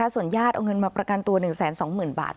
ส่วนญาติเอาเงินมาประกันตัว๑๒๐๐๐บาท